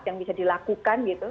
yang bisa dilakukan gitu